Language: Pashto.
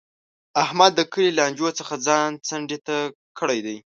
احمد د کلي له لانجو څخه ځان څنډې ته کړی دی.